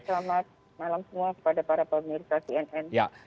selamat malam semua kepada para pemirsa cnn